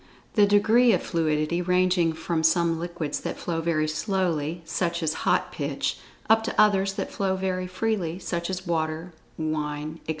the degree of fluidity ranging from some liquids that flow very slowly, such as hot pitch, up to others that flow very freely, such as water, wine, etc.